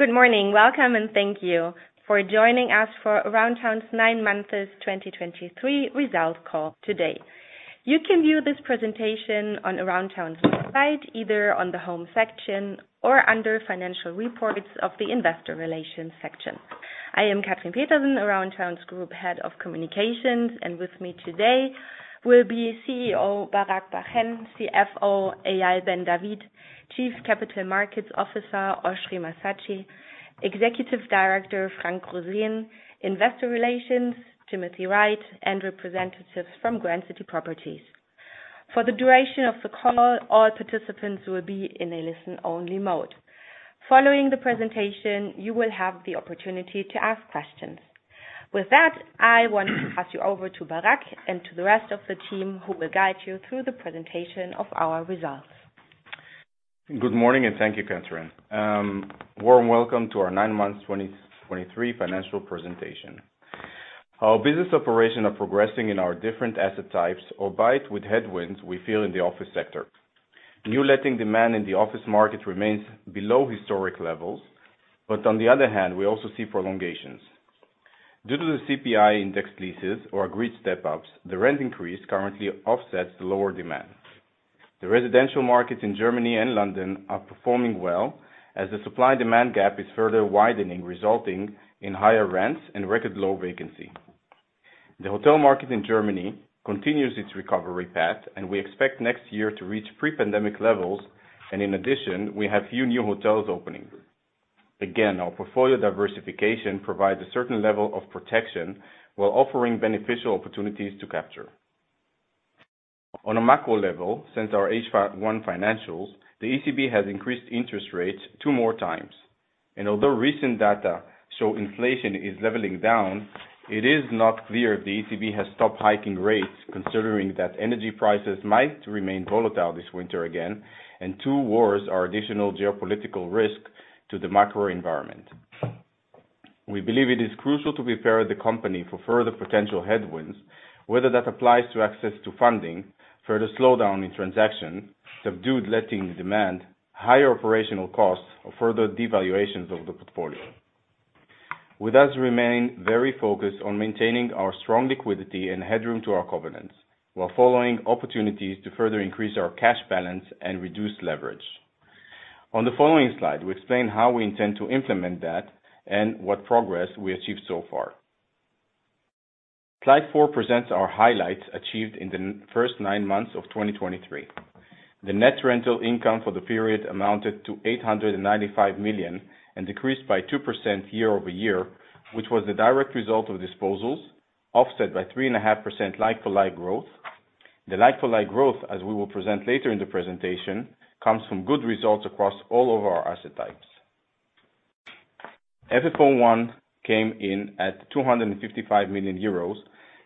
Good morning. Welcome, and thank you for joining us for Aroundtown's 9 months, 2023 result call today. You can view this presentation on Aroundtown's website, either on the home section or under Financial Reports of the Investor Relations section. I am Katrin Petersen, Aroundtown's Group Head of Communications, and with me today will be CEO, Barak Bar-Hen, CFO, Eyal Ben-David, Chief Capital Markets Officer, Oschrie Massatschi, Executive Director, Frank Roseen, Investor Relations, Timothy Wright, and representatives from Grand City Properties. For the duration of the call, all participants will be in a listen-only mode. Following the presentation, you will have the opportunity to ask questions. With that, I want to pass you over to Barak and to the rest of the team, who will guide you through the presentation of our results. Good morning, and thank you, Katrin. Warm welcome to our nine-month 2023 financial presentation. Our business operation are progressing in our different asset types, albeit with headwinds we feel in the office sector. New letting demand in the office market remains below historic levels, but on the other hand, we also see prolongations. Due to the CPI-indexed leases or agreed step-ups, the rent increase currently offsets the lower demand. The residential markets in Germany and London are performing well, as the supply-demand gap is further widening, resulting in higher rents and record low vacancy. The hotel market in Germany continues its recovery path, and we expect next year to reach pre-pandemic levels, and in addition, we have few new hotels opening. Again, our portfolio diversification provides a certain level of protection, while offering beneficial opportunities to capture. On a macro level, since our H1 financials, the ECB has increased interest rates two more times, and although recent data show inflation is leveling down, it is not clear if the ECB has stopped hiking rates, considering that energy prices might remain volatile this winter again, and two wars are additional geopolitical risk to the macro environment. We believe it is crucial to prepare the company for further potential headwinds, whether that applies to access to funding, further slowdown in transaction, subdued letting demand, higher operational costs, or further devaluations of the portfolio. We thus remain very focused on maintaining our strong liquidity and headroom to our covenants, while following opportunities to further increase our cash balance and reduce leverage. On the following slide, we explain how we intend to implement that and what progress we achieved so far. Slide four presents our highlights achieved in the first nine months of 2023. The net rental income for the period amounted to 895 million, and decreased by 2% year-over-year, which was the direct result of disposals, offset by 3.5% like-for-like growth. The like-for-like growth, as we will present later in the presentation, comes from good results across all of our asset types. FFO I came in at 255 million euros,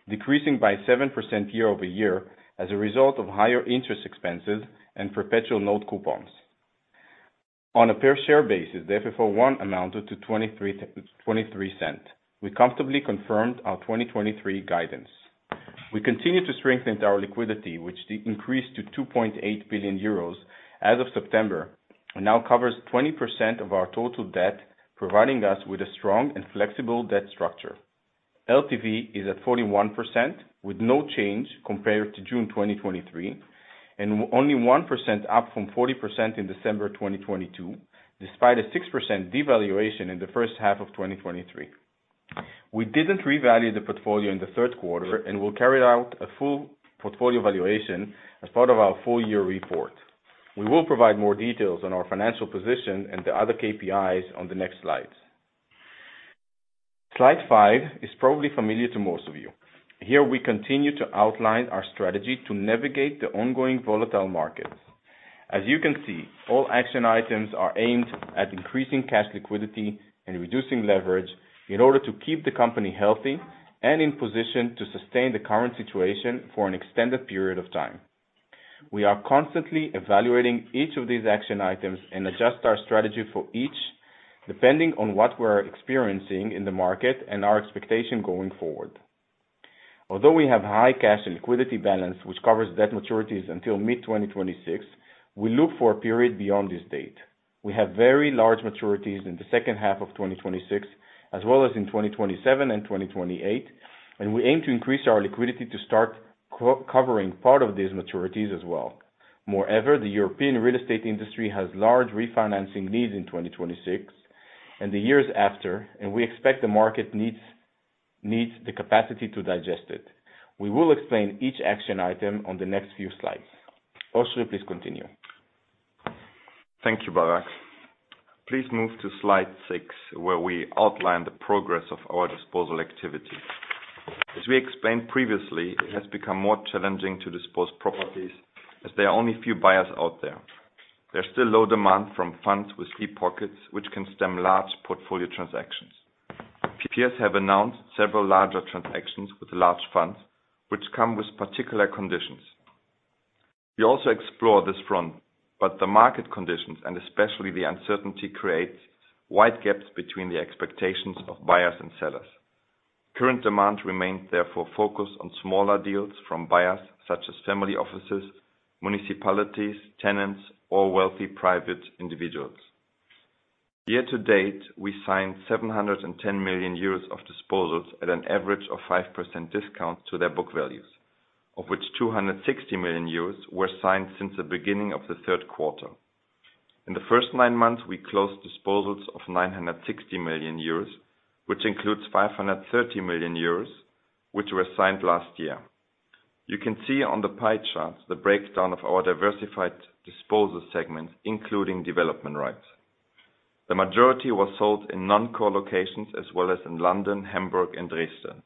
decreasing by 7% year-over-year as a result of higher interest expenses and perpetual note coupons. On a per-share basis, the FFO I amounted to 0.23. We comfortably confirmed our 2023 guidance. We continue to strengthen our liquidity, which increased to 2.8 billion euros as of September, and now covers 20% of our total debt, providing us with a strong and flexible debt structure. LTV is at 41%, with no change compared to June 2023, and only 1% up from 40% in December 2022, despite a 6% devaluation in the first half of 2023. We didn't revalue the portfolio in the third quarter, and we'll carry out a full portfolio valuation as part of our full-year report. We will provide more details on our financial position and the other KPIs on the next slides. Slide 5 is probably familiar to most of you. Here, we continue to outline our strategy to navigate the ongoing volatile markets. As you can see, all action items are aimed at increasing cash liquidity and reducing leverage in order to keep the company healthy and in position to sustain the current situation for an extended period of time. We are constantly evaluating each of these action items and adjust our strategy for each, depending on what we're experiencing in the market and our expectation going forward. Although we have high cash and liquidity balance, which covers debt maturities until mid-2026, we look for a period beyond this date. We have very large maturities in the second half of 2026, as well as in 2027 and 2028, and we aim to increase our liquidity to start co-covering part of these maturities as well. Moreover, the European real estate industry has large refinancing needs in 2026 and the years after, and we expect the market needs the capacity to digest it. We will explain each action item on the next few slides. Oschrie, please continue. Thank you, Barak. Please move to Slide 6, where we outline the progress of our disposal activity. As we explained previously, it has become more challenging to dispose properties, as there are only a few buyers out there. There's still low demand from funds with deep pockets, which can stem large portfolio transactions. Peers have announced several larger transactions with large funds, which come with particular conditions. We also explore this front, but the market conditions, and especially the uncertainty, creates wide gaps between the expectations of buyers and sellers. Current demand remains therefore focused on smaller deals from buyers, such as family offices, municipalities, tenants, or wealthy private individuals. Year to date, we signed 710 million euros of disposals at an average of 5% discount to their book values, of which 260 million euros were signed since the beginning of the third quarter. In the first nine months, we closed disposals of 960 million euros, which includes 530 million euros, which were signed last year. You can see on the pie chart the breakdown of our diversified disposal segment, including development rights. The majority was sold in non-core locations, as well as in London, Hamburg, and Dresden.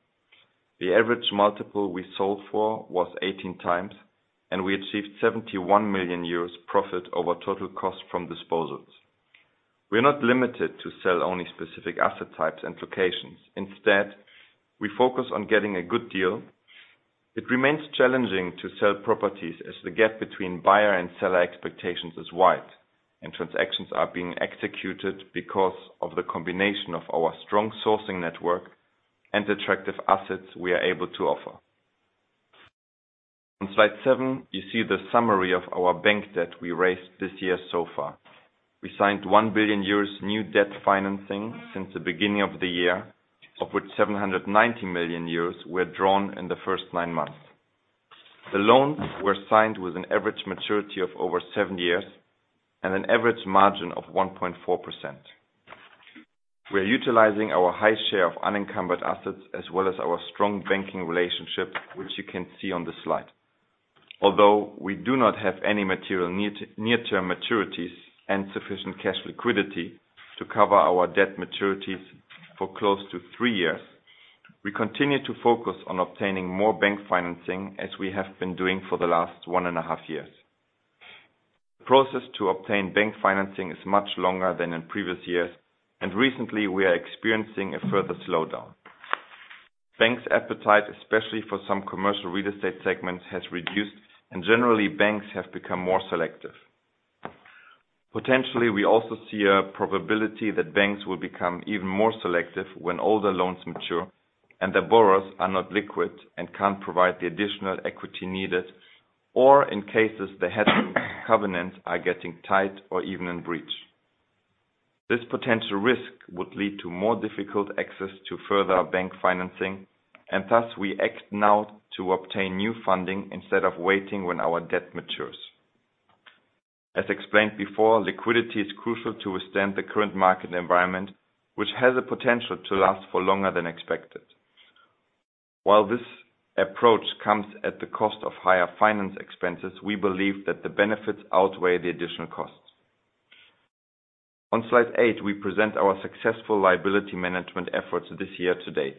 The average multiple we sold for was 18x, and we achieved 71 million euros profit over total cost from disposals. We are not limited to sell only specific asset types and locations. Instead, we focus on getting a good deal. It remains challenging to sell properties as the gap between buyer and seller expectations is wide, and transactions are being executed because of the combination of our strong sourcing network and attractive assets we are able to offer. On Slide 7, you see the summary of our bank debt we raised this year so far. We signed 1 billion euros new debt financing since the beginning of the year, of which 790 million euros were drawn in the first 9 months. The loans were signed with an average maturity of over seven years and an average margin of 1.4%. We are utilizing our high share of unencumbered assets as well as our strong banking relationship, which you can see on the slide. Although we do not have any material near-term maturities and sufficient cash liquidity to cover our debt maturities for close to three years, we continue to focus on obtaining more bank financing as we have been doing for the last one and a half years. The process to obtain bank financing is much longer than in previous years, and recently, we are experiencing a further slowdown. Banks' appetite, especially for some commercial real estate segments, has reduced, and generally, banks have become more selective. Potentially, we also see a probability that banks will become even more selective when all the loans mature and the borrowers are not liquid and can't provide the additional equity needed, or in cases the headroom covenants are getting tight or even in breach. This potential risk would lead to more difficult access to further bank financing, and thus we act now to obtain new funding instead of waiting when our debt matures. As explained before, liquidity is crucial to withstand the current market environment, which has a potential to last for longer than expected. While this approach comes at the cost of higher finance expenses, we believe that the benefits outweigh the additional costs. On Slide 8, we present our successful liability management efforts this year to date.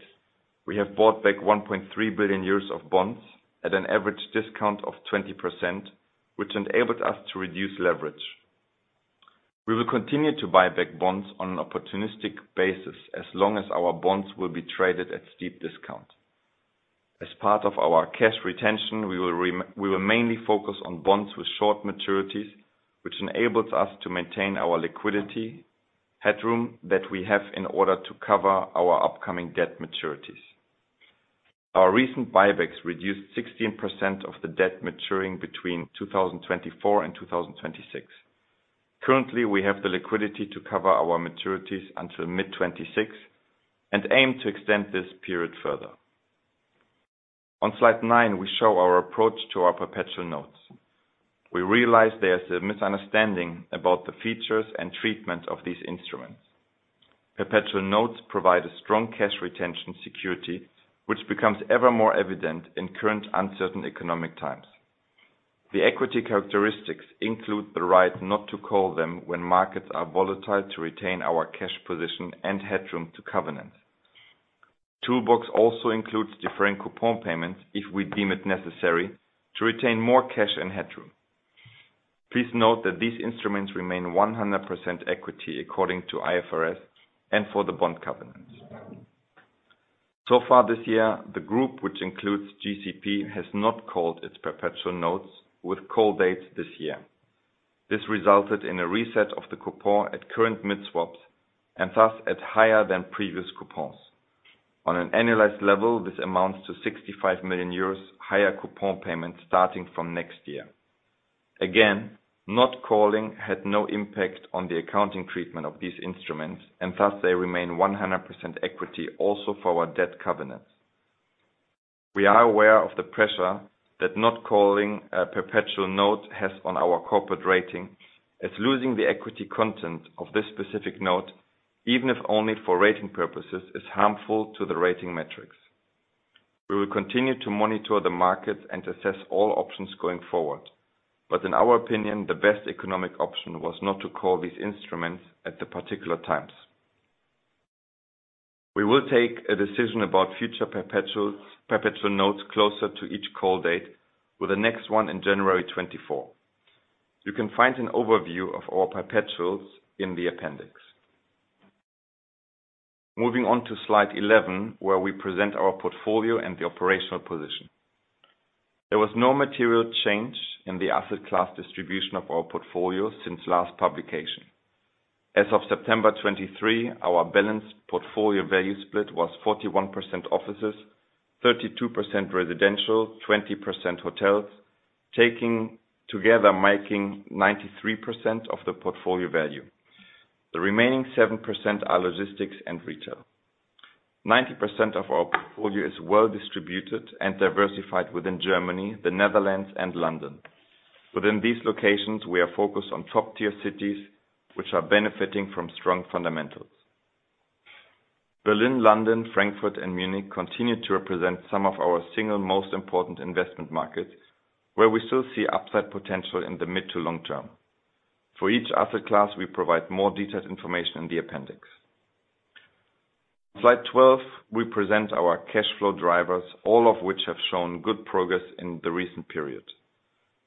We have bought back 1.3 billion euros of bonds at an average discount of 20%, which enabled us to reduce leverage. We will continue to buy back bonds on an opportunistic basis as long as our bonds will be traded at steep discount. As part of our cash retention, we will mainly focus on bonds with short maturities, which enables us to maintain our liquidity headroom that we have in order to cover our upcoming debt maturities. Our recent buybacks reduced 16% of the debt maturing between 2024 and 2026. Currently, we have the liquidity to cover our maturities until mid-2026 and aim to extend this period further. On Slide 9, we show our approach to our perpetual notes. We realize there's a misunderstanding about the features and treatments of these instruments. Perpetual notes provide a strong cash retention security, which becomes ever more evident in current uncertain economic times. The equity characteristics include the right not to call them when markets are volatile to retain our cash position and headroom to covenant. Toolbox also includes deffering coupon payments if we deem it necessary to retain more cash and headroom. Please note that these instruments remain 100% equity according to IFRS and for the bond covenants. So far this year, the group, which includes GCP, has not called its perpetual notes with call dates this year. This resulted in a reset of the coupon at current mid-swaps and thus at higher than previous coupons. On an annualized level, this amounts to 65 million euros higher coupon payments starting from next year. Again, not calling had no impact on the accounting treatment of these instruments, and thus they remain 100% equity also for our debt covenants. We are aware of the pressure that not calling a perpetual note has on our corporate rating, as losing the equity content of this specific note, even if only for rating purposes, is harmful to the rating metrics. We will continue to monitor the market and assess all options going forward, but in our opinion, the best economic option was not to call these instruments at the particular times. We will take a decision about future perpetuals, perpetual notes closer to each call date, with the next one in January 2024. You can find an overview of our perpetuals in the appendix. Moving on to Slide 11, where we present our portfolio and the operational position. There was no material change in the asset class distribution of our portfolio since last publication. As of September 2023, our balanced portfolio value split was 41% offices, 32% residential, 20% hotels, taking together, making 93% of the portfolio value. The remaining 7% are logistics and retail. 90% of our portfolio is well distributed and diversified within Germany, the Netherlands, and London. Within these locations, we are focused on top-tier cities, which are benefiting from strong fundamentals. Berlin, London, Frankfurt, and Munich continue to represent some of our single most important investment markets, where we still see upside potential in the mid to long term. For each asset class, we provide more detailed information in the appendix. Slide 12, we present our cash flow drivers, all of which have shown good progress in the recent period.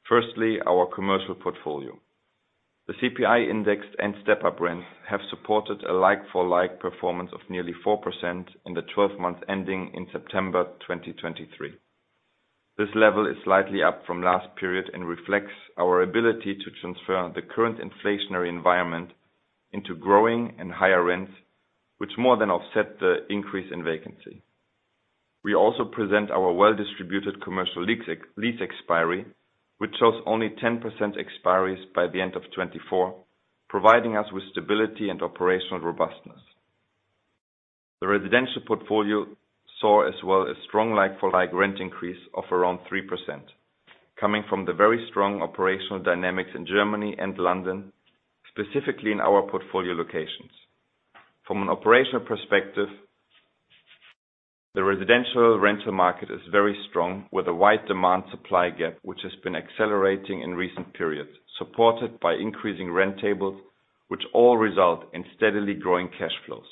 Firstly, our commercial portfolio. The CPI-index and step-up rents have supported a like-for-like performance of nearly 4% in the 12 months ending in September 2023. This level is slightly up from last period and reflects our ability to transfer the current inflationary environment into growing and higher rents, which more than offset the increase in vacancy. We also present our well-distributed commercial lease expiry, which shows only 10% expiries by the end of 2024, providing us with stability and operational robustness. The residential portfolio saw as well a strong like-for-like rent increase of around 3%, coming from the very strong operational dynamics in Germany and London, specifically in our portfolio locations. From an operational perspective, the residential rental market is very strong, with a wide demand-supply gap, which has been accelerating in recent periods, supported by increasing rent tables, which all result in steadily growing cash flows.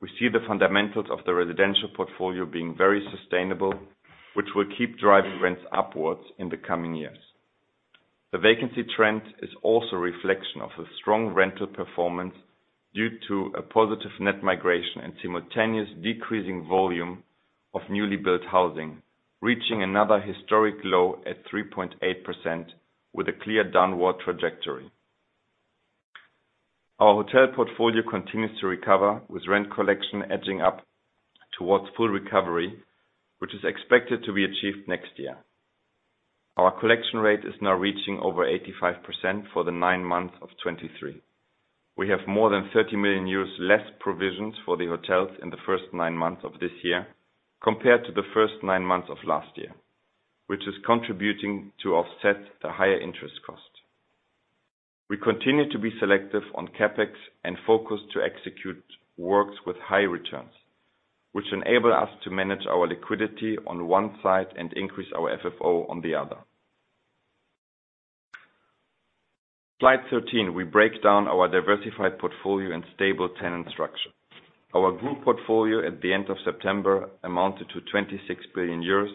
We see the fundamentals of the residential portfolio being very sustainable, which will keep driving rents upwards in the coming years. The vacancy trend is also a reflection of a strong rental performance due to a positive net migration and simultaneous decreasing volume of newly built housing, reaching another historic low at 3.8% with a clear downward trajectory. Our hotel portfolio continues to recover, with rent collection edging up towards full recovery, which is expected to be achieved next year. Our collection rate is now reaching over 85% for the nine months of 2023. We have more than 30 million euros less provisions for the hotels in the first nine months of this year, compared to the first nine months of last year, which is contributing to offset the higher interest cost. We continue to be selective on CapEx and focused to execute works with high returns, which enable us to manage our liquidity on one side and increase our FFO on the other. Slide 13, we break down our diversified portfolio and stable tenant structure. Our group portfolio at the end of September amounted to 26 billion euros,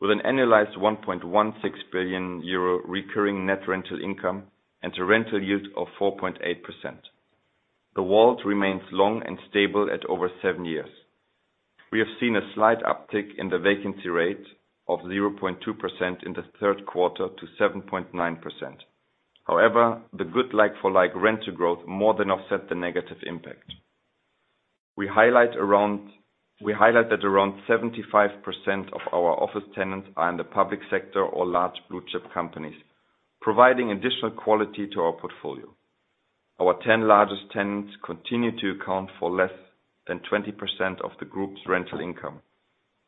with an annualized 1.16 billion euro recurring net rental income and a rental yield of 4.8%. The WALT remains long and stable at over 7 years. We have seen a slight uptick in the vacancy rate of 0.2% in the third quarter to 7.9%. However, the good like-for-like rental growth more than offset the negative impact. We highlight that around 75% of our office tenants are in the public sector or large blue-chip companies, providing additional quality to our portfolio. Our 10 largest tenants continue to account for less than 20% of the group's rental income,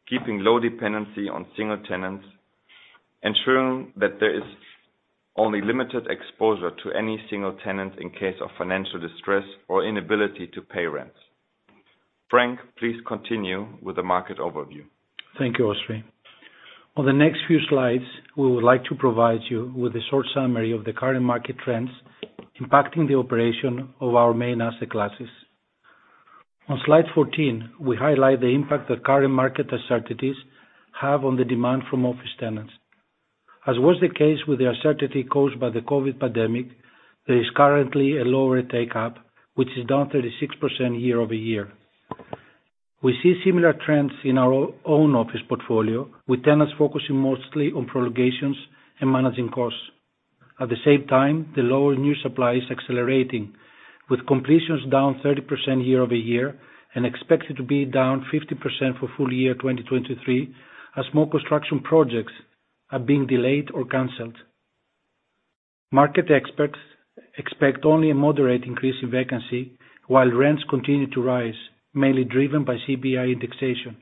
keeping low dependency on single tenants, ensuring that there is only limited exposure to any single tenant in case of financial distress or inability to pay rents. Frank, please continue with the market overview. Thank you, Oschrie. On the next few slides, we would like to provide you with a short summary of the current market trends impacting the operation of our main asset classes. On Slide 14, we highlight the impact that current market uncertainties have on the demand from office tenants. As was the case with the uncertainty caused by the COVID pandemic, there is currently a lower take-up, which is down 36% year-over-year. We see similar trends in our own office portfolio, with tenants focusing mostly on prolongations and managing costs. At the same time, the lower new supply is accelerating, with completions down 30% year-over-year and expected to be down 50% for full-year 2023, as more construction projects are being delayed or canceled. Market experts expect only a moderate increase in vacancy, while rents continue to rise, mainly driven by CPI indexation.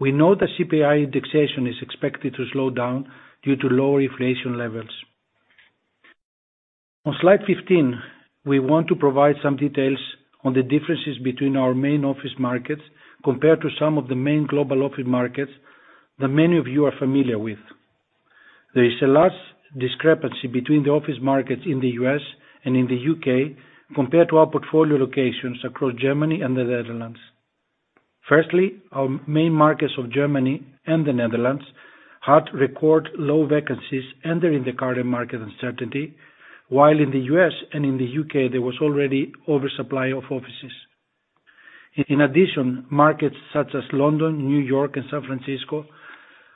We know that CPI indexation is expected to slow down due to lower inflation levels. On Slide 15, we want to provide some details on the differences between our main office markets compared to some of the main global office markets that many of you are familiar with. There is a large discrepancy between the office markets in the U.S. and in the U.K., compared to our portfolio locations across Germany and the Netherlands. Firstly, our main markets of Germany and the Netherlands had record low vacancies entering the current market uncertainty, while in the U.S. and in the U.K., there was already oversupply of offices. In addition, markets such as London, New York, and San Francisco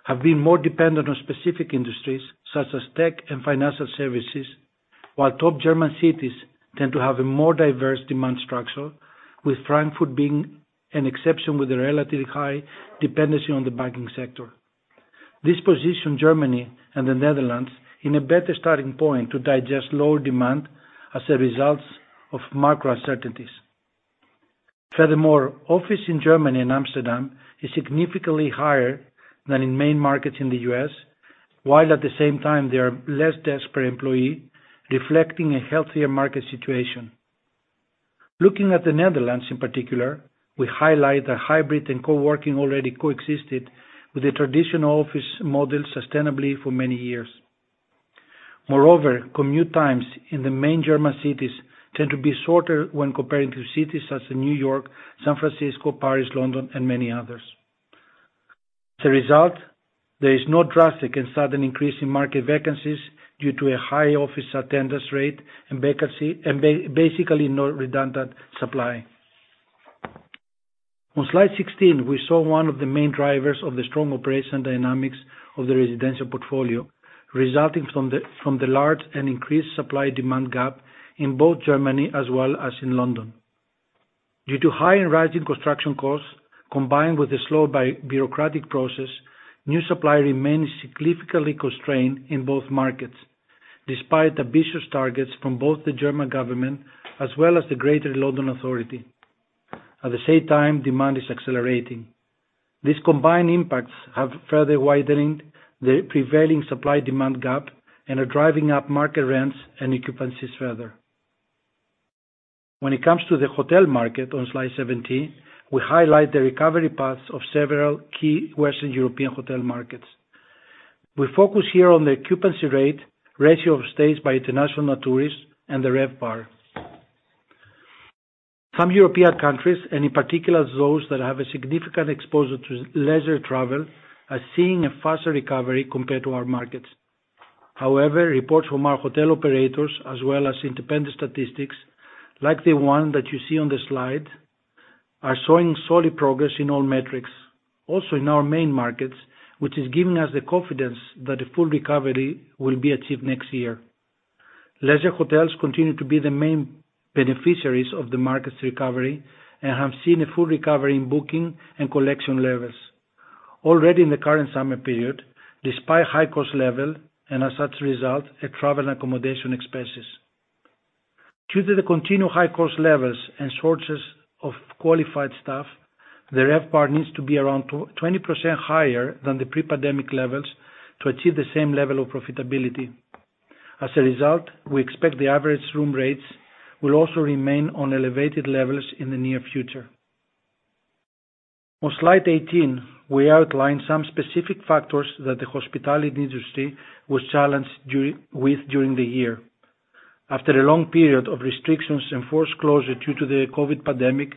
have been more dependent on specific industries, such as tech and financial services, while top German cities tend to have a more diverse demand structure, with Frankfurt being an exception, with a relatively high dependency on the banking sector. This position Germany and the Netherlands in a better starting point to digest lower demand as a result of macro uncertainties. Furthermore, office in Germany and Amsterdam is significantly higher than in main markets in the U.S., while at the same time there are less desks per employee, reflecting a healthier market situation. Looking at the Netherlands in particular, we highlight that hybrid and coworking already coexisted with the traditional office model sustainably for many years. Moreover, commute times in the main German cities tend to be shorter when comparing to cities such as New York, San Francisco, Paris, London, and many others. As a result, there is no drastic and sudden increase in market vacancies due to a high office attendance rate and vacancy, and basically no redundant supply. On Slide 16, we saw one of the main drivers of the strong operation dynamics of the residential portfolio, resulting from the large and increased supply-demand gap in both Germany as well as in London. Due to high and rising construction costs, combined with the slow, bureaucratic process, new supply remains significantly constrained in both markets, despite ambitious targets from both the German government as well as the Greater London Authority. At the same time, demand is accelerating. These combined impacts have further widened the prevailing supply-demand gap and are driving up market rents and occupancies further. When it comes to the hotel market on Slide 17, we highlight the recovery paths of several key Western European hotel markets. We focus here on the occupancy rate, ratio of stays by international tourists, and the RevPAR. Some European countries, and in particular those that have a significant exposure to leisure travel, are seeing a faster recovery compared to our markets. However, reports from our hotel operators, as well as independent statistics, like the one that you see on the slide, are showing solid progress in all metrics, also in our main markets, which is giving us the confidence that a full recovery will be achieved next year. Leisure hotels continue to be the main beneficiaries of the market's recovery and have seen a full recovery in booking and collection levels. Already in the current summer period, despite high cost level, and as such a result of travel accommodation expenses. Due to the continued high cost levels and shortages of qualified staff, the RevPAR needs to be around twenty percent higher than the pre-pandemic levels to achieve the same level of profitability. As a result, we expect the average room rates will also remain on elevated levels in the near future. On Slide 18, we outline some specific factors that the hospitality industry was challenged during, with during the year. After a long period of restrictions and forced closure due to the COVID pandemic,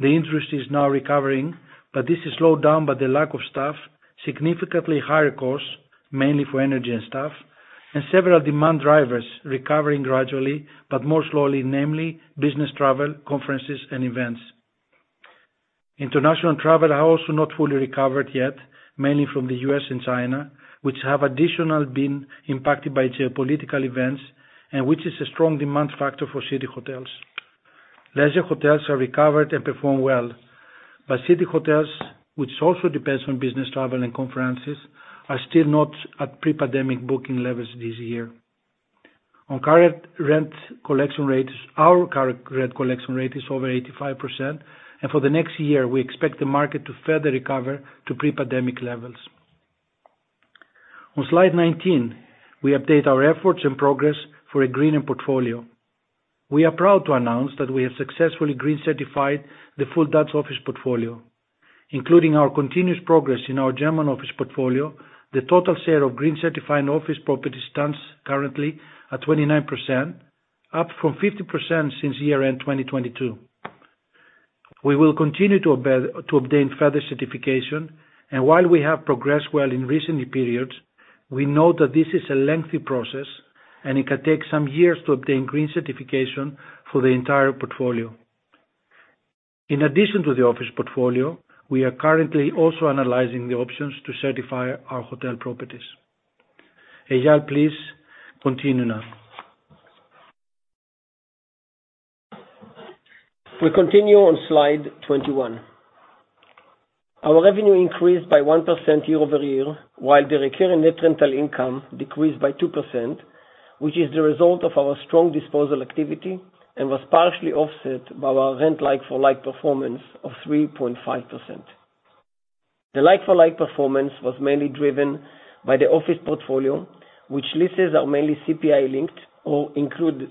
the industry is now recovering, but this is slowed down by the lack of staff, significantly higher costs, mainly for energy and staff, and several demand drivers recovering gradually but more slowly, namely business travel, conferences, and events. International travel are also not fully recovered yet, mainly from the US and China, which have additional been impacted by geopolitical events and which is a strong demand factor for city hotels. Leisure hotels are recovered and perform well, but city hotels, which also depends on business travel and conferences, are still not at pre-pandemic booking levels this year. On current rent collection rates, our current rent collection rate is over 85%, and for the next year, we expect the market to further recover to pre-pandemic levels. On Slide 19, we update our efforts and progress for a greener portfolio. We are proud to announce that we have successfully green-certified the full Dutch office portfolio, including our continuous progress in our German office portfolio, the total share of green-certified office property stands currently at 29%, up from 50% since year-end 2022. We will continue to obtain further certification, and while we have progressed well in recent periods, we know that this is a lengthy process, and it can take some years to obtain green certification for the entire portfolio. In addition to the office portfolio, we are currently also analyzing the options to certify our hotel properties. Eyal, please continue now. We continue on Slide 21. Our revenue increased by 1% year-over-year, while the recurring net rental income decreased by 2%, which is the result of our strong disposal activity and was partially offset by our rent like-for-like performance of 3.5%. The like-for-like performance was mainly driven by the office portfolio, which leases are mainly CPI linked or include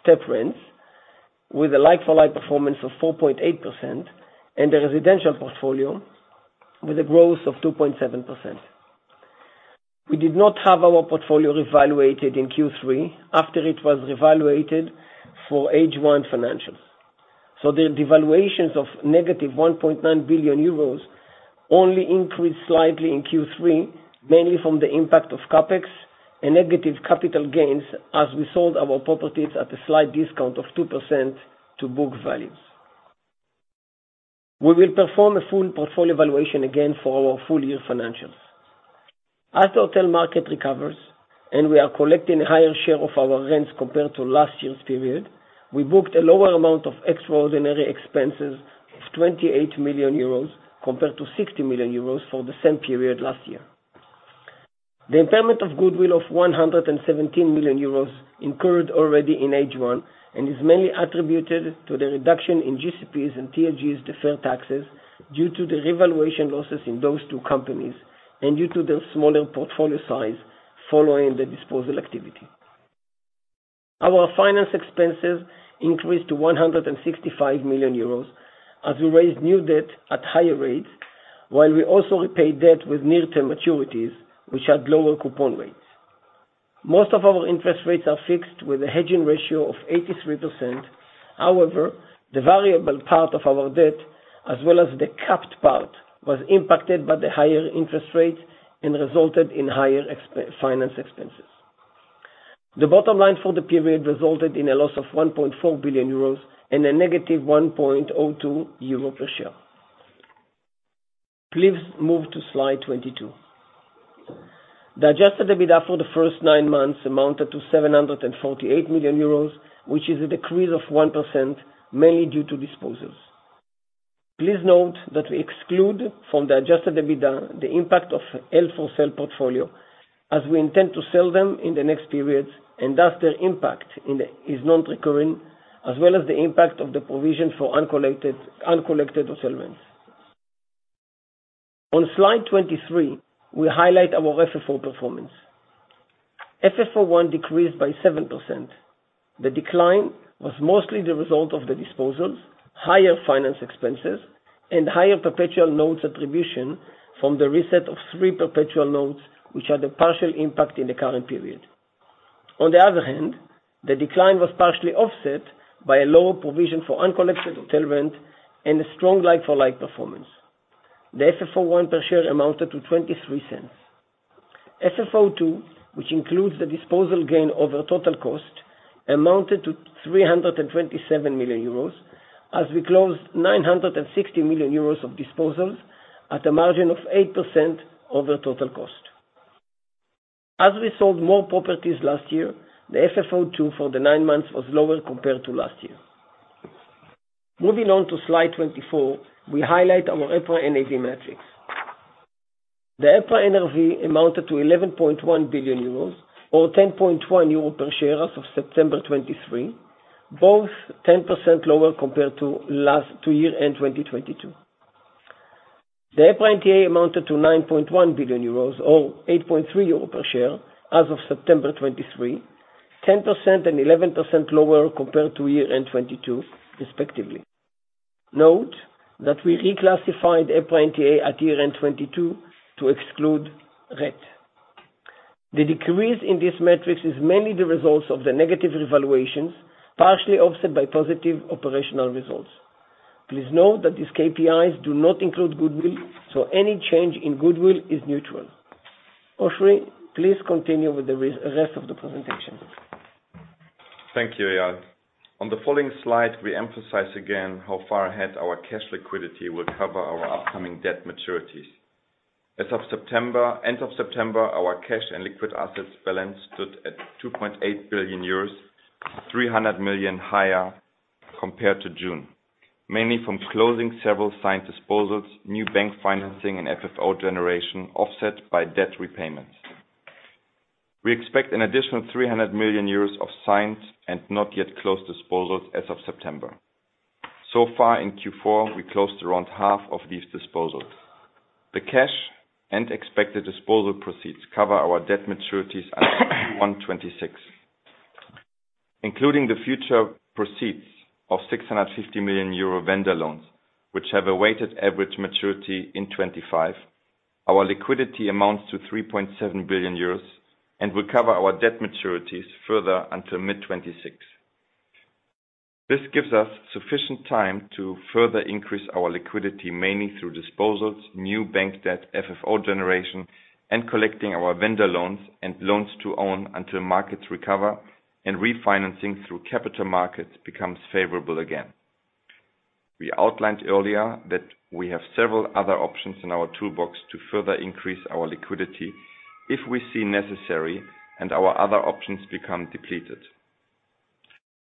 step rents, with a like-for-like performance of 4.8% and a residential portfolio with a growth of 2.7%. We did not have our portfolio revaluated in Q3 after it was revaluated for H1 financials. So the devaluations of -1.9 billion euros only increased slightly in Q3, mainly from the impact of CapEx and negative capital gains, as we sold our properties at a slight discount of 2% to book values. We will perform a full portfolio valuation again for our full-year financials. As the hotel market recovers, and we are collecting a higher share of our rents compared to last year's period, we booked a lower amount of extraordinary expenses of 28 million euros compared to 60 million euros for the same period last year. The impairment of goodwill of 117 million euros incurred already in H1, and is mainly attributed to the reduction in GCP's and TLG's deferred taxes, due to the revaluation losses in those two companies, and due to their smaller portfolio size following the disposal activity. Our finance expenses increased to 165 million euros as we raised new debt at higher rates, while we also repaid debt with near-term maturities, which had lower coupon rates. Most of our interest rates are fixed with a hedging ratio of 83%. However, the variable part of our debt, as well as the capped part, was impacted by the higher interest rates and resulted in higher finance expenses. The bottom line for the period resulted in a loss of 1.4 billion euros and a negative 1.02 euro per share. Please move to Slide 22. The adjusted EBITDA for the first nine months amounted to 748 million euros, which is a decrease of 1%, mainly due to disposals. Please note that we exclude from the adjusted EBITDA the impact of held-for-sale portfolio, as we intend to sell them in the next periods, and thus their impact in the is non-recurring, as well as the impact of the provision for uncollected hotel rents. On Slide 23, we highlight our FFO performance. FFO I decreased by 7%. The decline was mostly the result of the disposals, higher finance expenses, and higher perpetual notes attribution from the reset of three perpetual notes, which had a partial impact in the current period. On the other hand, the decline was partially offset by a lower provision for uncollected hotel rent and a strong like-for-like performance. The FFO one per share amounted to 23 cents. FFO II, which includes the disposal gain over total cost, amounted to 327 million euros, as we closed 960 million euros of disposals at a margin of 8% over total cost. As we sold more properties last year, the FFO II for the nine months was lower compared to last year. Moving on to Slide 24, we highlight our EPRA NAV metrics. The EPRA NAV amounted to 11.1 billion euros, or 10.1 euro per share, as of September 2023, both 10% lower compared to year-end 2022. The EPRA NTA amounted to 9.1 billion euros, or 8.3 euro per share as of September 2023, 10% and 11% lower compared to year-end 2022, respectively. Note that we reclassified EPRA NTA at year-end 2022 to exclude RETT. The decrease in this metric is mainly the result of the negative revaluations, partially offset by positive operational results. Please note that these KPIs do not include goodwill, so any change in goodwill is neutral. Oschrie, please continue with the rest of the presentation. Thank you, Eyal. On the following Slide, we emphasize again how far ahead our cash liquidity will cover our upcoming debt maturities. As of end of September, our cash and liquid assets balance stood at 2.8 billion euros, 300 million higher compared to June, mainly from closing several signed disposals, new bank financing and FFO generation, offset by debt repayments. We expect an additional 300 million euros of signed and not yet closed disposals as of September. So far in Q4, we closed around half of these disposals. The cash and expected disposal proceeds cover our debt maturities in 2026. Including the future proceeds of 650 million euro vendor loans, which have a weighted average maturity in 2025, our liquidity amounts to 3.7 billion euros and will cover our debt maturities further until mid-2026. This gives us sufficient time to further increase our liquidity, mainly through disposals, new bank debt, FFO generation, and collecting our vendor loans, and loan-to-own until markets recover and refinancing through capital markets becomes favorable again. We outlined earlier that we have several other options in our toolbox to further increase our liquidity if we see necessary and our other options become depleted.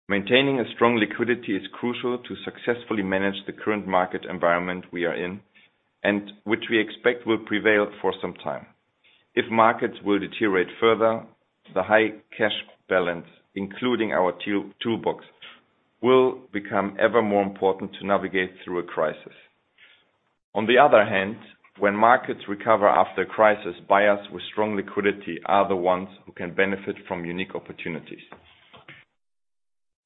Maintaining a strong liquidity is crucial to successfully manage the current market environment we are in, and which we expect will prevail for some time. If markets will deteriorate further, the high cash balance, including our toolbox, will become ever more important to navigate through a crisis. On the other hand, when markets recover after a crisis, buyers with strong liquidity are the ones who can benefit from unique opportunities.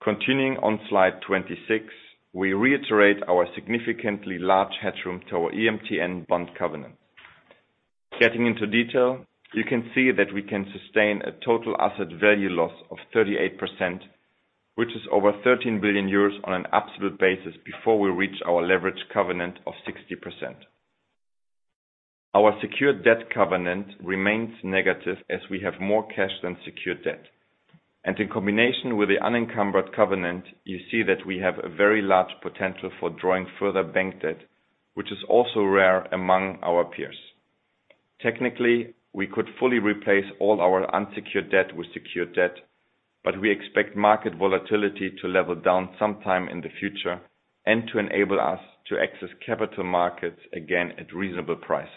Continuing on Slide 26, we reiterate our significantly large headroom to our EMTN bond covenant. Getting into detail, you can see that we can sustain a total asset value loss of 38%, which is over 13 billion euros on an absolute basis before we reach our leverage covenant of 60%. Our secured debt covenant remains negative, as we have more cash than secured debt. In combination with the unencumbered covenant, you see that we have a very large potential for drawing further bank debt, which is also rare among our peers. Technically, we could fully replace all our unsecured debt with secured debt, but we expect market volatility to level down sometime in the future and to enable us to access capital markets again at reasonable prices.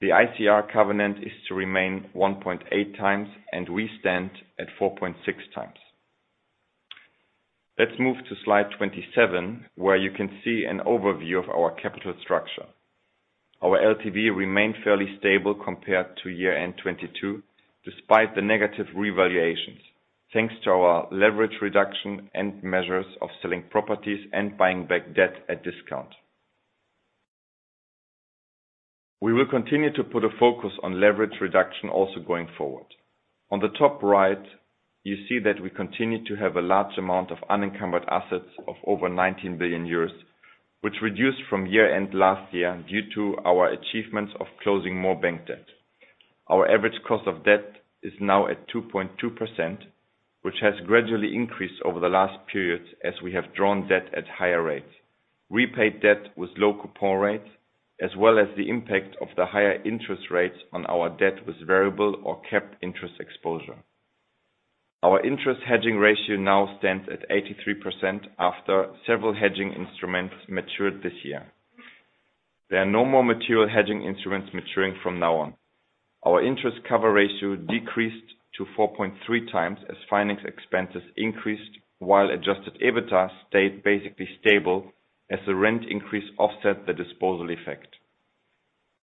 The ICR covenant is to remain 1.8 times, and we stand at 4.6 times. Let's move to Slide 27, where you can see an overview of our capital structure. Our LTV remained fairly stable compared to year-end 2022, despite the negative revaluations, thanks to our leverage reduction and measures of selling properties and buying back debt at discount. We will continue to put a focus on leverage reduction also going forward. On the top right, you see that we continue to have a large amount of unencumbered assets of over 19 billion euros, which reduced from year-end last year due to our achievements of closing more bank debt. Our average cost of debt is now at 2.2%, which has gradually increased over the last period, as we have drawn debt at higher rates, repaid debt with low coupon rates, as well as the impact of the higher interest rates on our debt, with variable or capped interest exposure. Our interest hedging ratio now stands at 83% after several hedging instruments matured this year. There are no more material hedging instruments maturing from now on. Our interest cover ratio decreased to 4.3 times, as finance expenses increased, while adjusted EBITDA stayed basically stable, as the rent increase offset the disposal effect.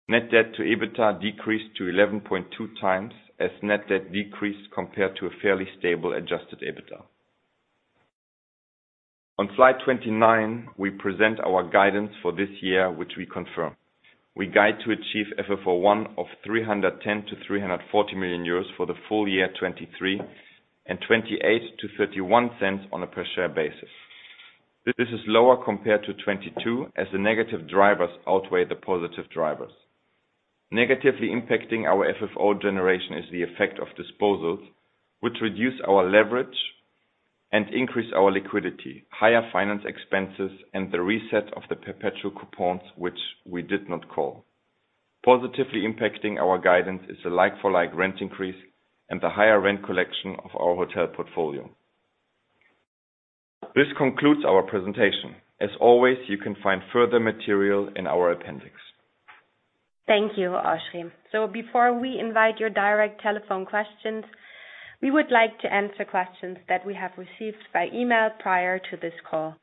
Net debt to EBITDA decreased to 11.2 times, as net debt decreased compared to a fairly stable adjusted EBITDA. On Slide 29, we present our guidance for this year, which we confirm. We guide to achieve FFO I of 310 million-340 million euros for the full-year 2023, and 0.28-0.31 on a per share basis. This is lower compared to 2022, as the negative drivers outweigh the positive drivers. Negatively impacting our FFO generation is the effect of disposals, which reduce our leverage and increase our liquidity, higher finance expenses, and the reset of the perpetual coupons, which we did not call. Positively impacting our guidance is the like-for-like rent increase and the higher rent collection of our hotel portfolio. This concludes our presentation. As always, you can find further material in our appendix. Thank you, Oschrie. So before we invite your direct telephone questions, we would like to answer questions that we have received by email prior to this call.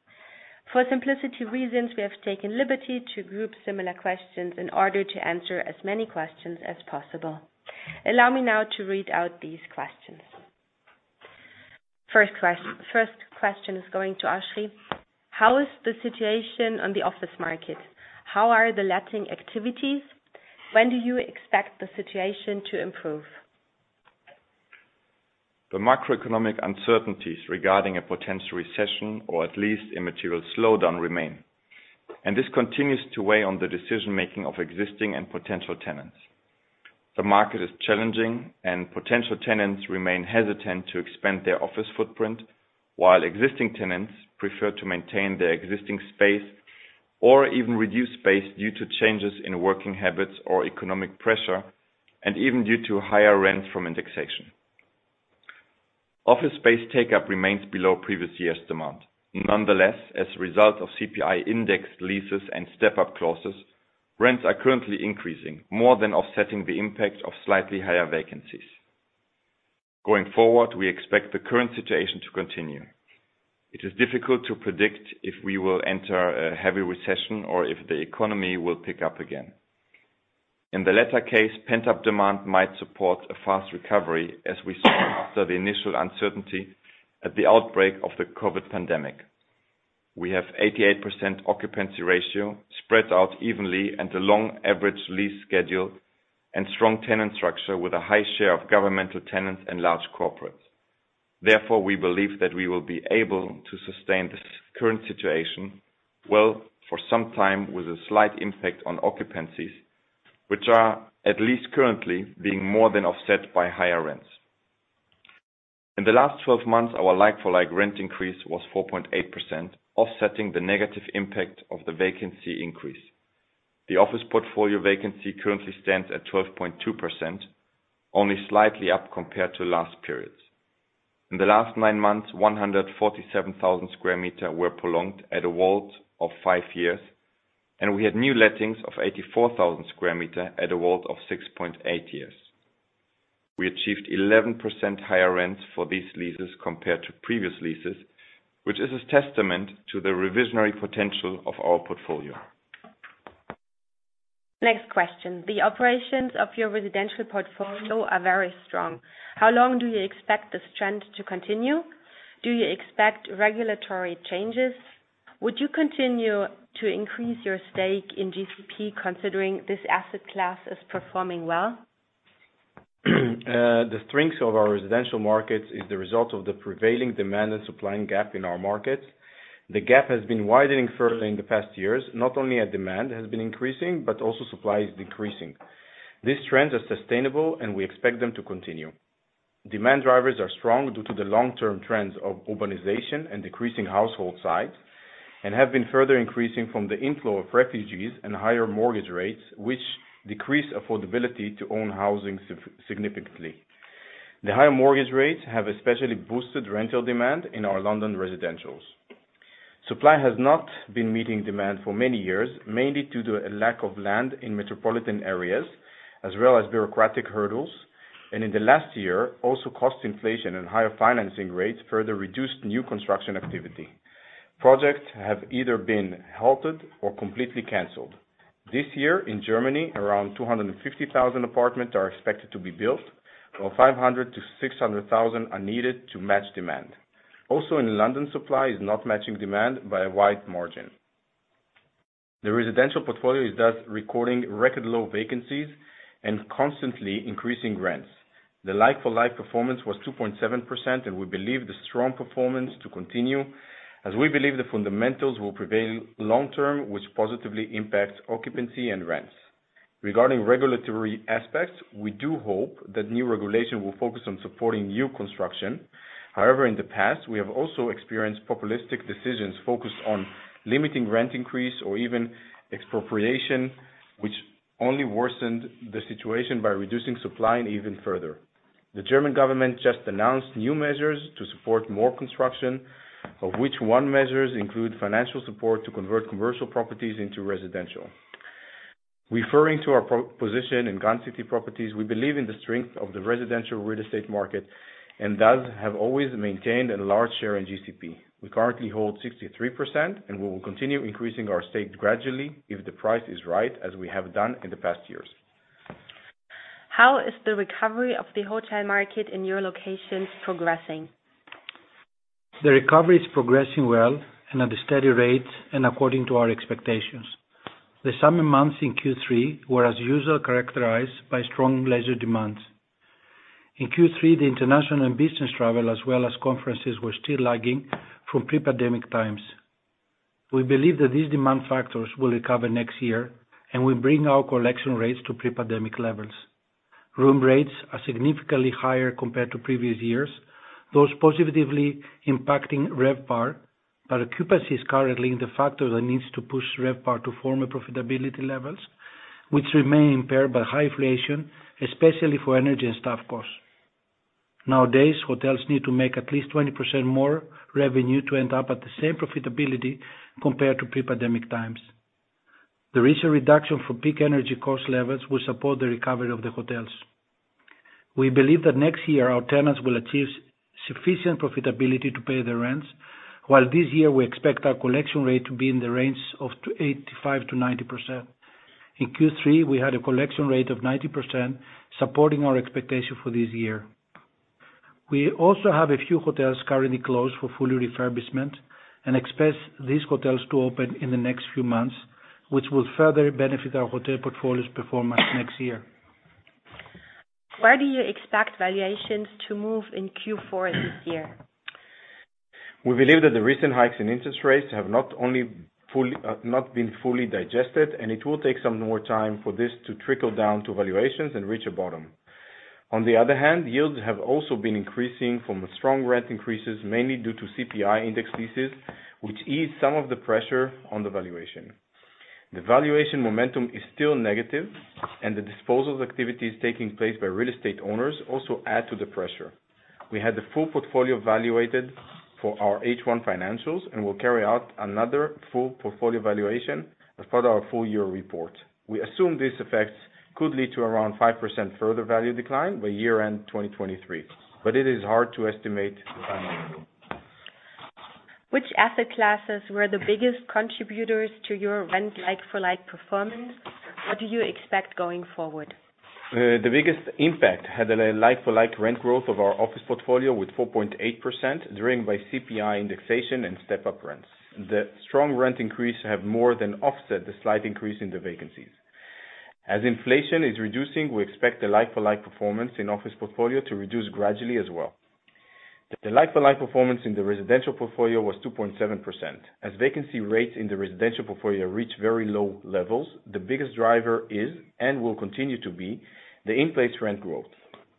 For simplicity reasons, we have taken liberty to group similar questions in order to answer as many questions as possible. Allow me now to read out these questions. First question is going to Oschrie: How is the situation on the office market? How are the letting activities? When do you expect the situation to improve? The macroeconomic uncertainties regarding a potential recession, or at least a material slowdown, remain, and this continues to weigh on the decision-making of existing and potential tenants. The market is challenging, and potential tenants remain hesitant to expand their office footprint, while existing tenants prefer to maintain their existing space or even reduce space due to changes in working habits or economic pressure, and even due to higher rents from indexation. Office space take-up remains below previous years' demand. Nonetheless, as a result of CPI-indexed leases and step-up clauses, rents are currently increasing, more than offsetting the impact of slightly higher vacancies. Going forward, we expect the current situation to continue. It is difficult to predict if we will enter a heavy recession or if the economy will pick up again. In the latter case, pent-up demand might support a fast recovery, as we saw after the initial uncertainty at the outbreak of the COVID pandemic. We have 88% occupancy ratio spread out evenly and a long average lease schedule and strong tenant structure with a high share of governmental tenants and large corporates. Therefore, we believe that we will be able to sustain this current situation well for some time, with a slight impact on occupancies, which are, at least currently, being more than offset by higher rents. In the last 12 months, our like-for-like rent increase was 4.8%, offsetting the negative impact of the vacancy increase. The office portfolio vacancy currently stands at 12.2%, only slightly up compared to last periods. In the last 9 months, 147,000 square meters were prolonged at a WALT of 5 years, and we had new lettings of 84,000 square meters at a WALT of 6.8 years. We achieved 11% higher rents for these leases compared to previous leases, which is a testament to the reversionary potential of our portfolio. Next question: The operations of your residential portfolio are very strong. How long do you expect this trend to continue? Do you expect regulatory changes? Would you continue to increase your stake in GCP, considering this asset class is performing well? The strengths of our residential markets is the result of the prevailing demand and supply gap in our markets. The gap has been widening further in the past years, not only as demand has been increasing, but also supply is decreasing. These trends are sustainable, and we expect them to continue. Demand drivers are strong due to the long-term trends of urbanization and decreasing household size, and have been further increasing from the inflow of refugees and higher mortgage rates, which decrease affordability to own housing significantly. The higher mortgage rates have especially boosted rental demand in our London residentials. Supply has not been meeting demand for many years, mainly due to a lack of land in metropolitan areas, as well as bureaucratic hurdles, and in the last year, also cost inflation and higher financing rates further reduced new construction activity. Projects have either been halted or completely canceled. This year, in Germany, around 250,000 apartments are expected to be built, while 500,000-600,000 are needed to match demand. Also, in London, supply is not matching demand by a wide margin. The residential portfolio is thus recording record low vacancies and constantly increasing rents. The like-for-like performance was 2.7%, and we believe the strong performance to continue, as we believe the fundamentals will prevail long-term, which positively impacts occupancy and rents. Regarding regulatory aspects, we do hope that new regulation will focus on supporting new construction. However, in the past, we have also experienced populistic decisions focused on limiting rent increase or even expropriation, which only worsened the situation by reducing supply even further. The German government just announced new measures to support more construction, of which one measures include financial support to convert commercial properties into residential. Referring to our position in Grand City Properties, we believe in the strength of the residential real estate market and thus have always maintained a large share in GCP. We currently hold 63%, and we will continue increasing our stake gradually if the price is right, as we have done in the past years. How is the recovery of the hotel market in your locations progressing? The recovery is progressing well, and at a steady rate, and according to our expectations. The summer months in Q3 were, as usual, characterized by strong leisure demands. In Q3, the international and business travel, as well as conferences, were still lagging from pre-pandemic times. We believe that these demand factors will recover next year, and will bring our collection rates to pre-pandemic levels. Room rates are significantly higher compared to previous years, thus positively impacting RevPAR, but occupancy is currently the factor that needs to push RevPAR to former profitability levels, which remain impaired by high inflation, especially for energy and staff costs. Nowadays, hotels need to make at least 20% more revenue to end up at the same profitability compared to pre-pandemic times. The recent reduction for peak energy cost levels will support the recovery of the hotels. We believe that next year, our tenants will achieve sufficient profitability to pay their rents, while this year we expect our collection rate to be in the range of 85%-90%. In Q3, we had a collection rate of 90%, supporting our expectation for this year. We also have a few hotels currently closed for full refurbishment and expect these hotels to open in the next few months, which will further benefit our hotel portfolio's performance next year. Where do you expect valuations to move in Q4 this year? We believe that the recent hikes in interest rates have not only fully, not been fully digested, and it will take some more time for this to trickle down to valuations and reach a bottom. On the other hand, yields have also been increasing from the strong rent increases, mainly due to CPI-indexed leases, which eased some of the pressure on the valuation. The valuation momentum is still negative, and the disposals activities taking place by real estate owners also add to the pressure. We had the full portfolio valuated for our H1 financials and will carry out another full portfolio valuation as part of our full-year report. We assume these effects could lead to around 5% further value decline by year-end 2023, but it is hard to estimate the timeline. Which asset classes were the biggest contributors to your rent like-for-like performance? What do you expect going forward? The biggest impact had a like-for-like rent growth of our office portfolio, with 4.8%, driven by CPI indexation and step-up rents. The strong rent increase have more than offset the slight increase in the vacancies. As inflation is reducing, we expect the like-for-like performance in office portfolio to reduce gradually as well. The like-for-like performance in the residential portfolio was 2.7%. As vacancy rates in the residential portfolio reach very low levels, the biggest driver is, and will continue to be, the in-place rent growth.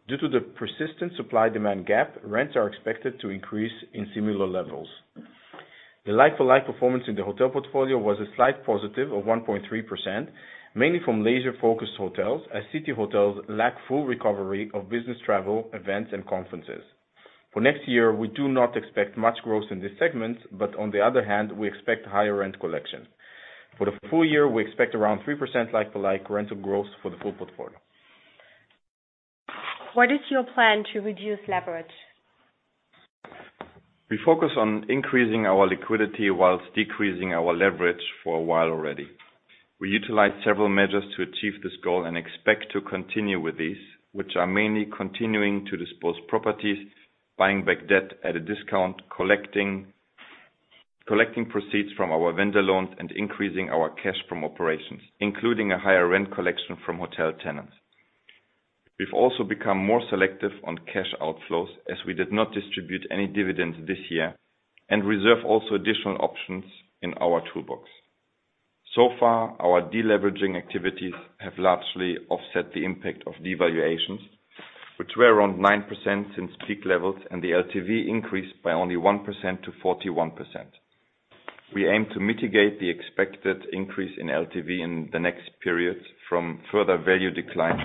Due to the persistent supply-demand gap, rents are expected to increase in similar levels. The like-for-like performance in the hotel portfolio was a slight positive of 1.3%, mainly from leisure-focused hotels, as city hotels lack full recovery of business travel, events, and conferences. For next year, we do not expect much growth in this segment, but on the other hand, we expect higher rent collection. For the full-year, we expect around 3% like-for-like rental growth for the full portfolio. What is your plan to reduce leverage? We focus on increasing our liquidity while decreasing our leverage for a while already. We utilized several measures to achieve this goal and expect to continue with these, which are mainly continuing to dispose properties, buying back debt at a discount, collecting proceeds from our vendor loans, and increasing our cash from operations, including a higher rent collection from hotel tenants. We've also become more selective on cash outflows, as we did not distribute any dividends this year, and reserve also additional options in our toolbox. So far, our de-leveraging activities have largely offset the impact of devaluations, which were around 9% since peak levels, and the LTV increased by only 1% to 41%. We aim to mitigate the expected increase in LTV in the next period from further value decline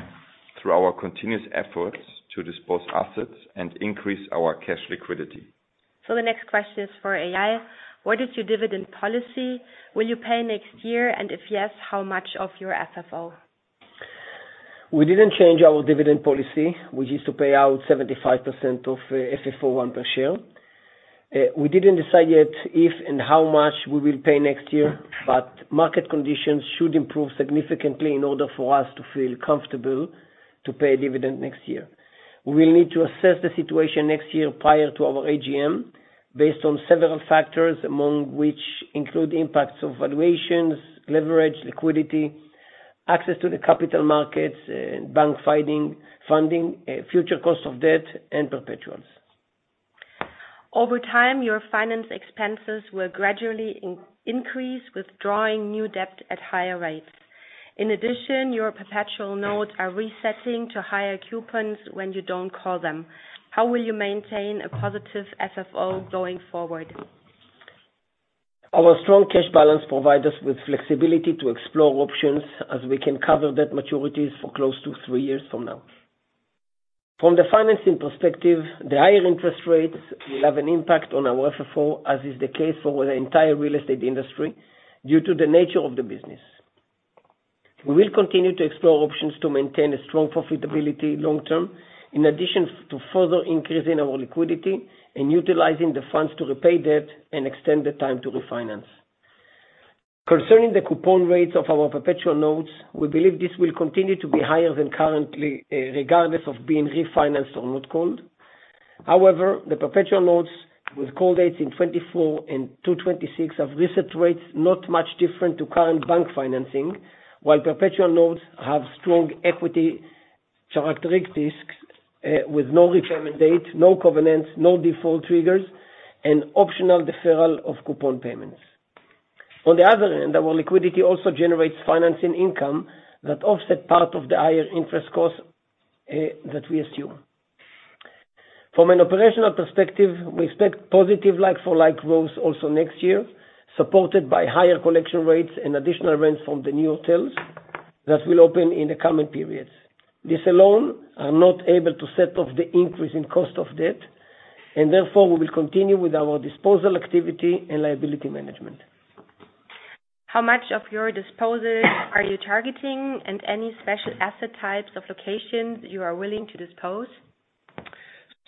through our continuous efforts to dispose assets and increase our cash liquidity. The next question is for AI: What is your dividend policy? Will you pay next year, and if yes, how much of your FFO? We didn't change our dividend policy. We used to pay out 75% of FFO I per share. We didn't decide yet if and how much we will pay next year, but market conditions should improve significantly in order for us to feel comfortable to pay a dividend next year. We will need to assess the situation next year prior to our AGM, based on several factors, among which include impacts of valuations, leverage, liquidity, access to the capital markets, bank funding, future cost of debt, and perpetuals. Over time, your finance expenses will gradually increase with drawing new debt at higher rates. In addition, your perpetual notes are resetting to higher coupons when you don't call them. How will you maintain a positive FFO going forward? Our strong cash balance provide us with flexibility to explore options, as we can cover debt maturities for close to three years from now. From the financing perspective, the higher interest rates will have an impact on our FFO, as is the case for the entire real estate industry, due to the nature of the business. We will continue to explore options to maintain a strong profitability long term, in addition to further increasing our liquidity and utilizing the funds to repay debt and extend the time to refinance. Concerning the coupon rates of our perpetual notes, we believe this will continue to be higher than currently, regardless of being refinanced or not called. However, the perpetual notes with call dates in 2024 and 2026, have recent rates, not much different to current bank financing, while perpetual notes have strong equity characteristics, with no repayment date, no covenants, no default triggers, and optional deferral of coupon payments. On the other hand, our liquidity also generates financing income that offset part of the higher interest costs, that we assume. From an operational perspective, we expect positive like-for-like growth also next year, supported by higher collection rates and additional rents from the new hotels that will open in the coming periods. This alone are not able to set off the increase in cost of debt, and therefore, we will continue with our disposal activity and liability management. How much of your disposals are you targeting, and any special asset types of locations you are willing to dispose?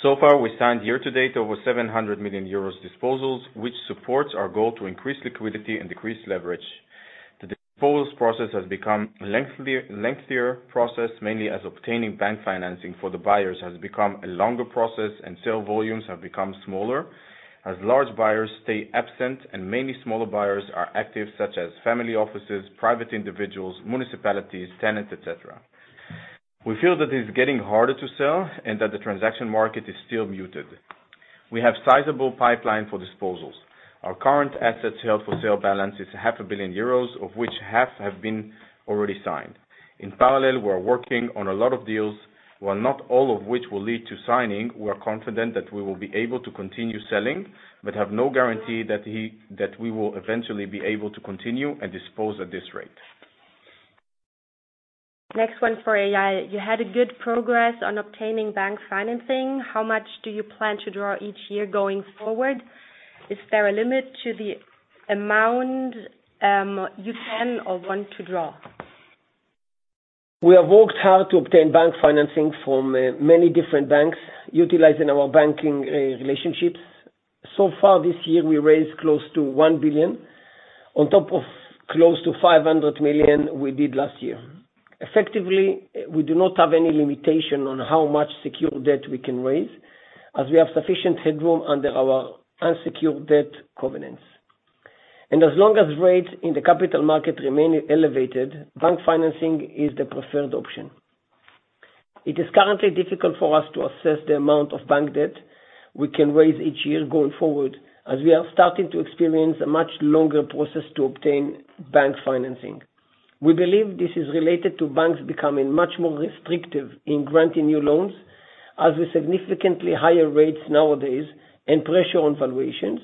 So far, we signed year to date, over 700 million euros disposals, which supports our goal to increase liquidity and decrease leverage. The disposals process has become lengthier, lengthier process, mainly as obtaining bank financing for the buyers has become a longer process, and sale volumes have become smaller, as large buyers stay absent and mainly smaller buyers are active, such as family offices, private individuals, municipalities, tenants, et cetera. We feel that it's getting harder to sell and that the transaction market is still muted. We have sizable pipeline for disposals. Our current assets for sale balance is 500 million euros, of which half have been already signed. In parallel, we are working on a lot of deals, while not all of which will lead to signing, we are confident that we will be able to continue selling, but have no guarantee that we will eventually be able to continue and dispose at this rate. Next one is for Eyal. You had a good progress on obtaining bank financing. How much do you plan to draw each year going forward? Is there a limit to the amount, you can or want to draw? We have worked hard to obtain bank financing from many different banks, utilizing our banking relationships. So far this year, we raised close to 1 billion, on top of close to 500 million we did last year. Effectively, we do not have any limitation on how much secure debt we can raise, as we have sufficient headroom under our unsecured debt covenants. As long as rates in the capital market remain elevated, bank financing is the preferred option. It is currently difficult for us to assess the amount of bank debt we can raise each year going forward, as we are starting to experience a much longer process to obtain bank financing. We believe this is related to banks becoming much more restrictive in granting new loans, as with significantly higher rates nowadays and pressure on valuations,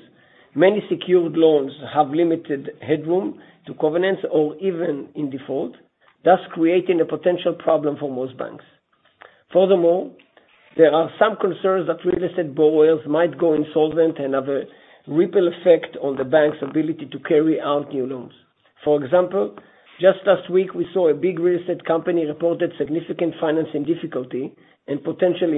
many secured loans have limited headroom to covenants or even in default, thus creating a potential problem for most banks. Furthermore, there are some concerns that real estate borrowers might go insolvent and have a ripple effect on the bank's ability to carry out new loans. For example, just last week, we saw a big real estate company reported significant financing difficulty and potential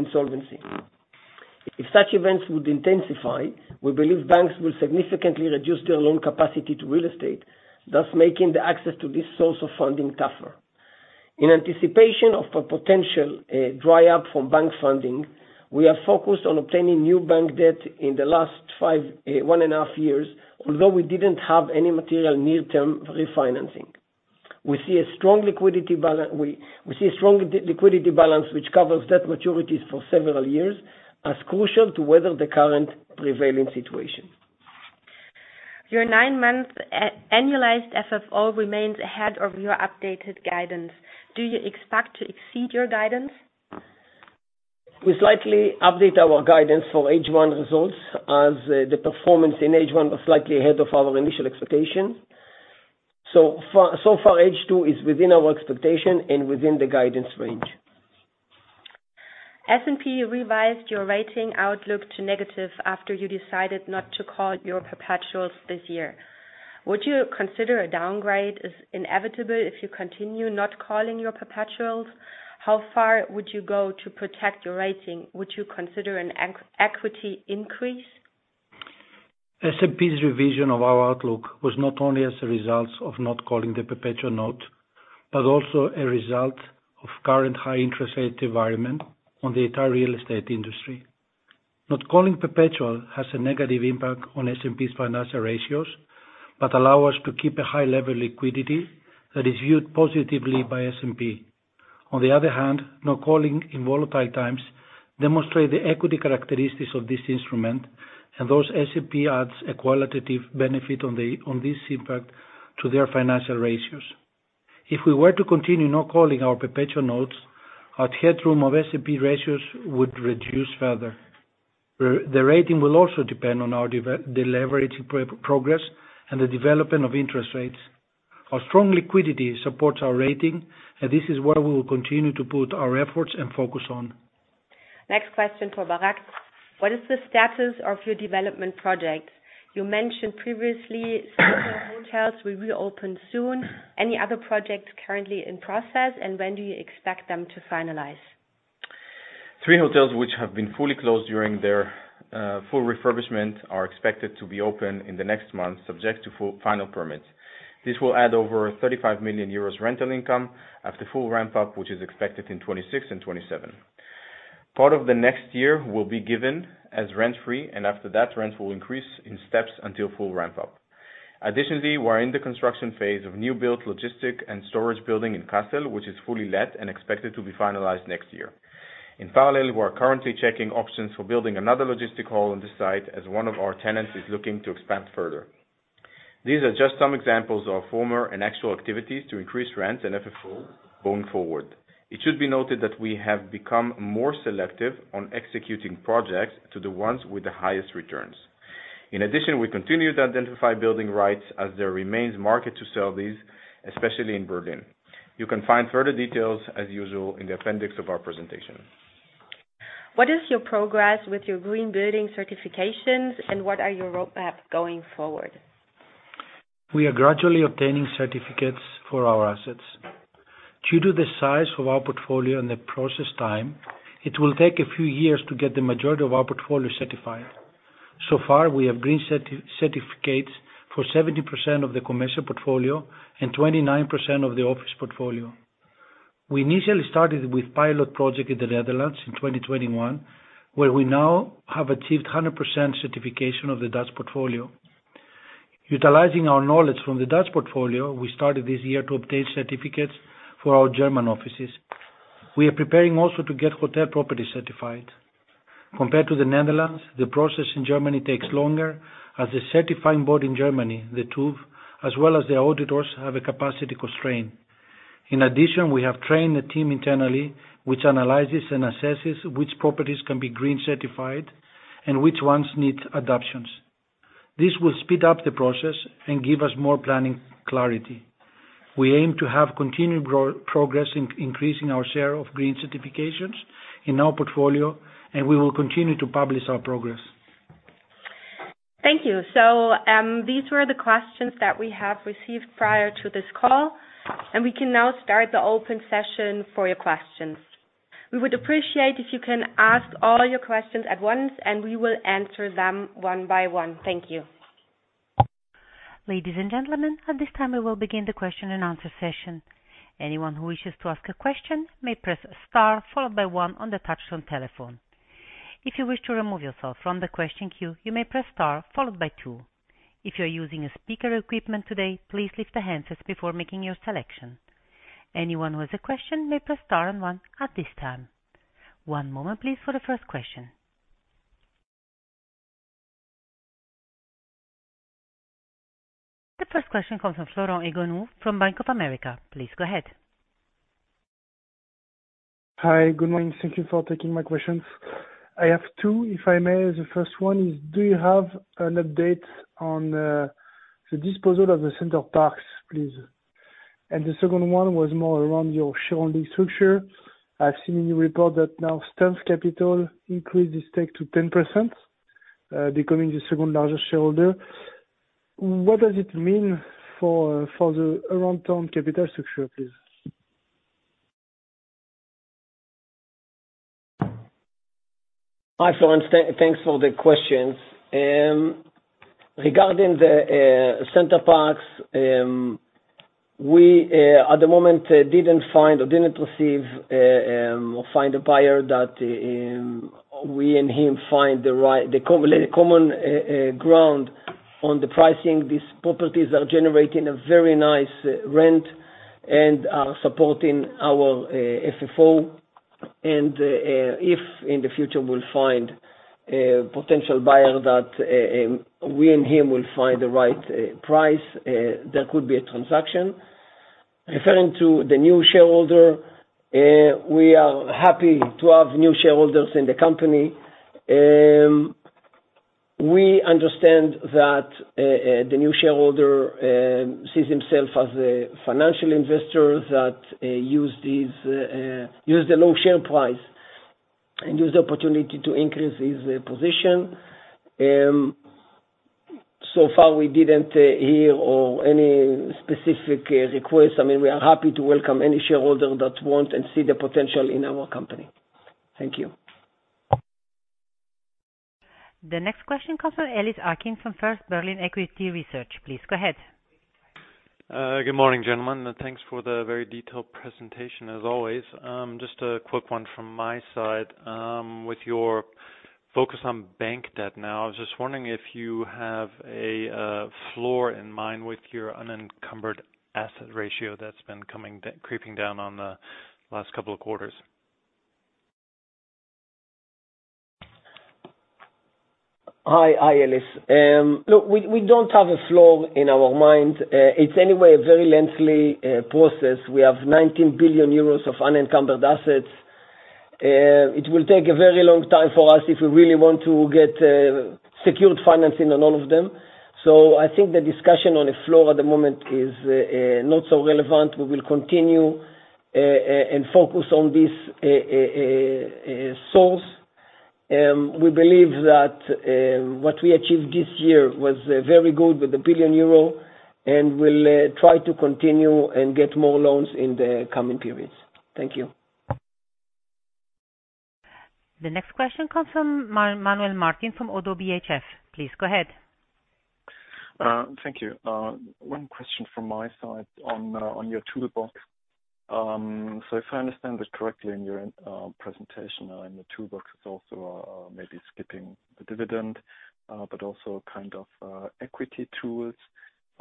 insolvency—if such events would intensify, we believe banks will significantly reduce their loan capacity to real estate, thus making the access to this source of funding tougher. In anticipation of a potential dry up from bank funding, we are focused on obtaining new bank debt in the last 1.5 years, although we didn't have any material near-term refinancing. We see a strong liquidity balance, which covers debt maturities for several years, as crucial to weather the current prevailing situation. Your nine-month annualized FFO remains ahead of your updated guidance. Do you expect to exceed your guidance? We slightly update our guidance for H1 results, as, the performance in H1 was slightly ahead of our initial expectations. So far, H2 is within our expectation and within the guidance range. S&P revised your rating outlook to negative after you decided not to call your perpetuals this year. Would you consider a downgrade is inevitable if you continue not calling your perpetuals? How far would you go to protect your rating? Would you consider an equity increase? S&P's revision of our outlook was not only as a result of not calling the perpetual note, but also a result of current high interest rate environment on the entire real estate industry. Not calling perpetual has a negative impact on S&P's financial ratios, but allow us to keep a high level liquidity that is viewed positively by S&P. On the other hand, not calling in volatile times demonstrate the equity characteristics of this instrument, and thus S&P adds a qualitative benefit on this impact to their financial ratios. If we were to continue not calling our perpetual notes, our headroom of S&P ratios would reduce further. The rating will also depend on our deleveraging progress and the development of interest rates. Our strong liquidity supports our rating, and this is where we will continue to put our efforts and focus on. Next question for Barak. What is the status of your development projects? You mentioned previously, several hotels will reopen soon. Any other projects currently in process, and when do you expect them to finalize? Three hotels which have been fully closed during their full refurbishment, are expected to be open in the next month, subject to full final permits. This will add over 35 million euros rental income after full ramp-up, which is expected in 2026 and 2027. Part of the next year will be given as rent-free, and after that, rent will increase in steps until full ramp-up. Additionally, we are in the construction phase of new built logistic and storage building in Kassel, which is fully let and expected to be finalized next year. In parallel, we are currently checking options for building another logistic hall on the site, as one of our tenants is looking to expand further. These are just some examples of former and actual activities to increase rents and FFO going forward. It should be noted that we have become more selective on executing projects to the ones with the highest returns. In addition, we continue to identify building rights as there remains market to sell these, especially in Berlin. You can find further details, as usual, in the appendix of our presentation. What is your progress with your green building certifications, and what are your roadmap going forward? We are gradually obtaining certificates for our assets. Due to the size of our portfolio and the process time, it will take a few years to get the majority of our portfolio certified. So far, we have green certificates for 70% of the commercial portfolio and 29% of the office portfolio. We initially started with pilot project in the Netherlands in 2021, where we now have achieved 100% certification of the Dutch portfolio. Utilizing our knowledge from the Dutch portfolio, we started this year to obtain certificates for our German offices. We are preparing also to get hotel properties certified. Compared to the Netherlands, the process in Germany takes longer, as the certifying board in Germany, the TÜV, as well as the auditors, have a capacity constraint. In addition, we have trained a team internally, which analyzes and assesses which properties can be green certified and which ones need adoptions. This will speed up the process and give us more planning clarity. We aim to have continued progress in increasing our share of green certifications in our portfolio, and we will continue to publish our progress. Thank you. So, these were the questions that we have received prior to this call, and we can now start the open session for your questions. We would appreciate if you can ask all your questions at once, and we will answer them one by one. Thank you. Ladies and gentlemen, at this time, we will begin the question and answer session. Anyone who wishes to ask a question may press star, followed by one on the touchtone telephone. If you wish to remove yourself from the question queue, you may press star followed by two. If you are using a speaker equipment today, please lift the handset before making your selection. Anyone who has a question may press star and one at this time. One moment, please, for the first question. The first question comes from Florent Jouanneau from Bank of America. Please go ahead. Hi, good morning. Thank you for taking my questions. I have two, if I may. The first one is, do you have an update on, the disposal of the Center Parcs, please? And the second one was more around your shareholder structure. I've seen in your report that now STANT Capital increased its stake to 10%, becoming the second largest shareholder. What does it mean for the Aroundtown capital structure, please? Hi, Florent, thanks for the questions. Regarding the Center Parcs, at the moment, we didn't find or didn't receive or find a buyer that we and him find the right common ground on the pricing. These properties are generating a very nice rent, and are supporting our FFO. If in the future we'll find a potential buyer that we and him will find the right price, there could be a transaction. Referring to the new shareholder, we are happy to have new shareholders in the company. We understand that the new shareholder sees himself as a financial investor that uses the low share price, and uses the opportunity to increase his position. So far we didn't hear or any specific request. I mean, we are happy to welcome any shareholder that want and see the potential in our company. Thank you. The next question comes from Ellis Acklin, from First Berlin Equity Research. Please go ahead. Good morning, gentlemen, and thanks for the very detailed presentation as always. Just a quick one from my side. With your focus on bank debt now, I was just wondering if you have a floor in mind with your unencumbered asset ratio that's been coming down, creeping down on the last couple of quarters? Hi. Hi, Ellis. Look, we don't have a floor in our mind. It's anyway a very lengthy process. We have 19 billion euros of unencumbered assets. It will take a very long time for us if we really want to get secured financing on all of them. So I think the discussion on the floor at the moment is not so relevant. We will continue and focus on this source. We believe that what we achieved this year was very good with 1 billion euro, and we'll try to continue and get more loans in the coming periods. Thank you. The next question comes from Manuel Martin from Oddo BHF. Please go ahead. Thank you. One question from my side on your toolbox. So if I understand this correctly, in your presentation, in the toolbox, it's also maybe skipping the dividend, but also kind of equity tools.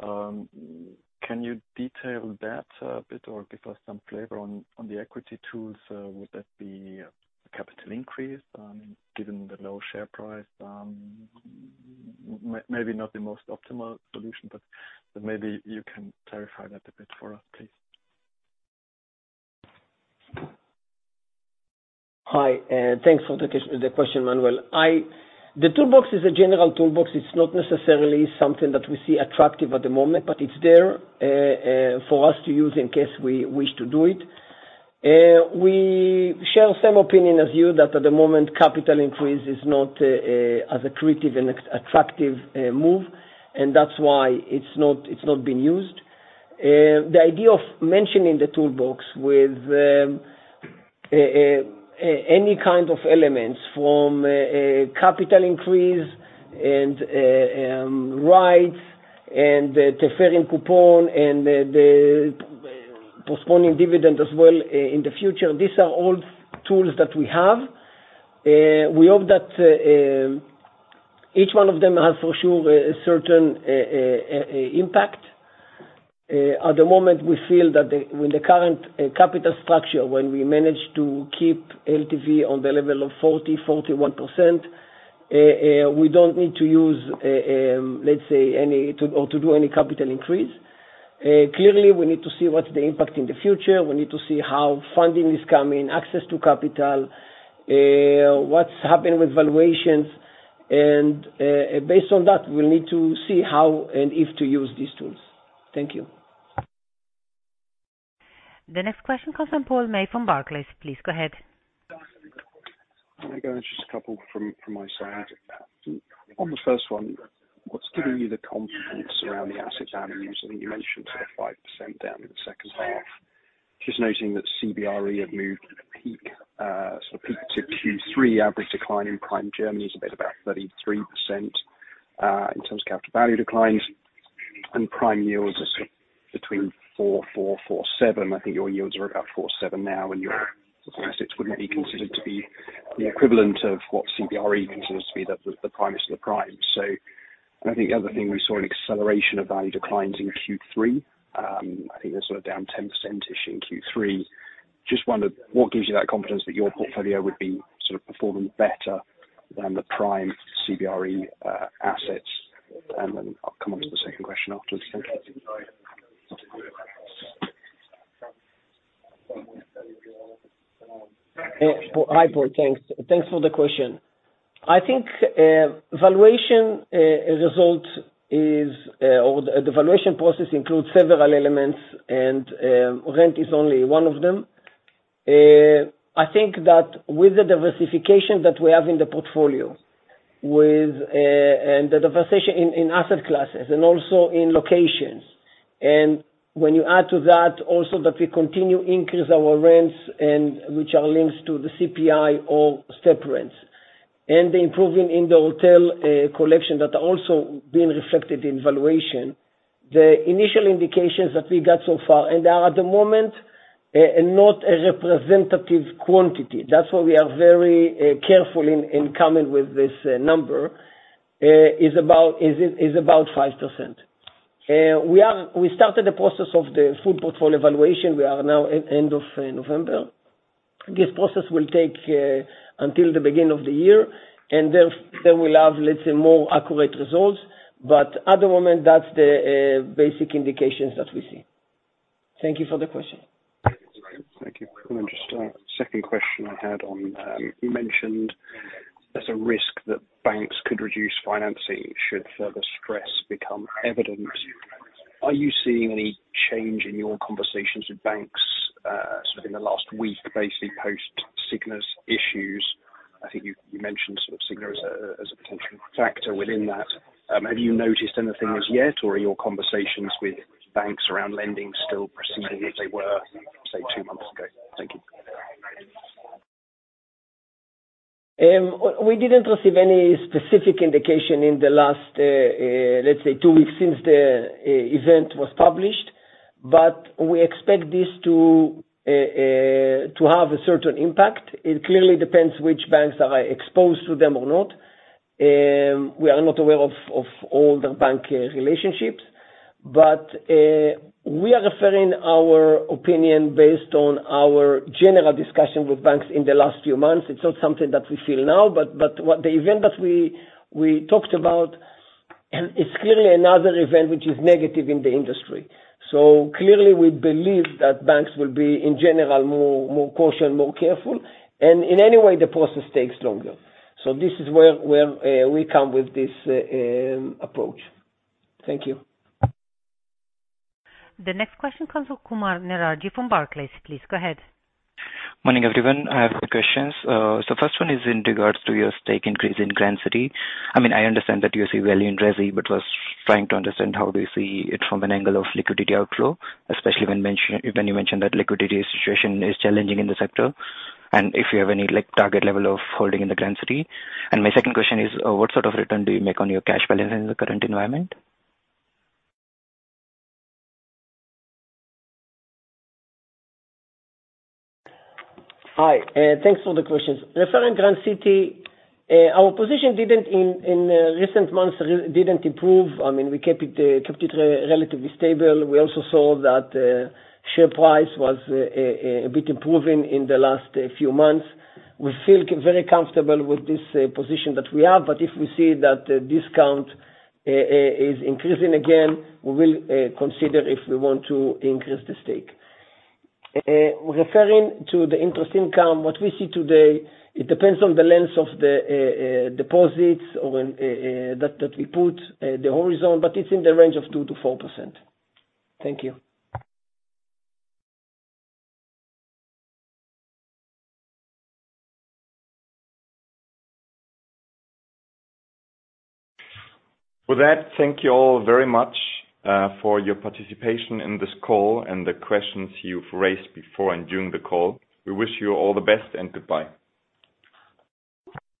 Can you detail that a bit, or give us some flavor on the equity tools? Would that be capital increase, given the low share price? Maybe not the most optimal solution, but maybe you can clarify that a bit for us, please. Hi, thanks for the question, Manuel. The toolbox is a general toolbox. It's not necessarily something that we see attractive at the moment, but it's there for us to use in case we wish to do it. We share the same opinion as you, that at the moment, capital increase is not as attractive a move, and that's why it's not been used. The idea of mentioning the toolbox with any kind of elements from a capital increase and rights and deferring coupon and the postponing dividend as well in the future, these are all tools that we have. We hope that each one of them has for sure a certain impact. At the moment, we feel that, with the current capital structure, when we manage to keep LTV on the level of 40-41%, we don't need to use, let's say, any, or to do any capital increase. Clearly, we need to see what's the impact in the future. We need to see how funding is coming, access to capital, what's happening with valuations, and, based on that, we'll need to see how and if to use these tools. Thank you. The next question comes from Paul May from Barclays. Please go ahead. Let me go just a couple from my side. On the first one, what's giving you the confidence around the asset values? I think you mentioned sort of 5% down in the second half. Just noting that CBRE have moved peak, so peak to Q3, average decline in prime Germany is a bit about 33%, in terms of capital value declines, and prime yields are between 4.4%-4.7%. I think your yields are about 4.7% now, and your assets wouldn't be considered to be the equivalent of what CBRE considers to be the prime is the prime. So I think the other thing, we saw an acceleration of value declines in Q3. I think they're sort of down 10%-ish in Q3. Just wondered what gives you that confidence that your portfolio would be sort of performing better than the prime CBRE assets? And then I'll come on to the second question after. Thank you. Hi, Paul. Thanks. Thanks for the question. I think the valuation process includes several elements, and rent is only one of them. I think that with the diversification that we have in the portfolio with the diversification in asset classes and also in locations. And when you add to that also that we continue increase our rents, and which are linked to the CPI or step rents, and the improvement in the hotel collection that are also being reflected in valuation. The initial indications that we got so far, and are at the moment not a representative quantity, that's why we are very careful in coming with this number is about 5%. We started the process of the full portfolio evaluation; we are now at end of November. This process will take until the beginning of the year, and then we'll have, let's say, more accurate results. But at the moment, that's the basic indications that we see. Thank you for the question. Thank you. Then just a second question I had on, you mentioned there's a risk that banks could reduce financing should further stress become evident. Are you seeing any change in your conversations with banks, sort of in the last week, basically post Signa's issues? I think you mentioned Signa as a potential factor within that. Have you noticed anything as yet, or are your conversations with banks around lending still proceeding as they were, say, two months ago? Thank you. We didn't receive any specific indication in the last, let's say two weeks since the event was published, but we expect this to have a certain impact. It clearly depends which banks are exposed to them or not. We are not aware of all the bank relationships, but we are referring our opinion based on our general discussion with banks in the last few months. It's not something that we feel now, but what the event that we talked about is clearly another event which is negative in the industry. So clearly we believe that banks will be, in general, more cautious, more careful, and in any way the process takes longer. So this is where we come with this approach. Thank you. The next question comes from Kumar Neeraj from Barclays. Please, go ahead. Morning, everyone. I have two questions. So first one is in regards to your stake increase in Grand City. I mean, I understand that you see value in resi, but was trying to understand how do you see it from an angle of liquidity outflow, especially when you mention that liquidity situation is challenging in the sector, and if you have any, like, target level of holding in the Grand City? And my second question is, what sort of return do you make on your cash balance in the current environment? Hi, thanks for the questions. Referring to Grand City, our position didn't improve in recent months. I mean, we kept it relatively stable. We also saw that share price was a bit improving in the last few months. We feel very comfortable with this position that we have, but if we see that the discount is increasing again, we will consider if we want to increase the stake. Referring to the interest income, what we see today, it depends on the length of the deposits or the horizon that we put, but it's in the range of 2%-4%. Thank you. With that, thank you all very much for your participation in this call, and the questions you've raised before and during the call. We wish you all the best, and goodbye.